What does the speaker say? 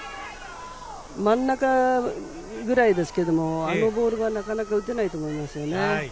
真ん中ぐらいですけど、あのボールはなかなか打てないと思いますね。